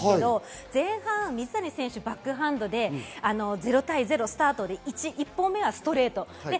前半、水谷選手バックハンドで０対０スタートで１本目はストレート。